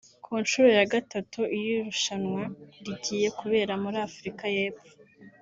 Ku nshuro ya gatatu iri rushanwa rigiye kubera muri Afurika y’Epfo